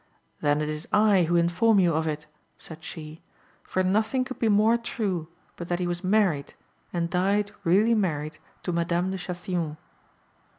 'Then it is I who inform you of it,' said she, 'for nothing could be more true but that he was married, and died really married to Madame de Chastillon.